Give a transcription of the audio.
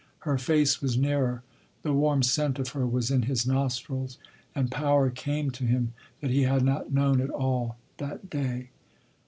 Her face was nearer. The warm scent of her was in his nostrils, and power came to him that he had not known at all that day.